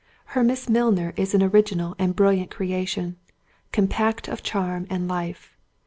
Her Miss Milner is an original and brilliant creation, compact of charm and life.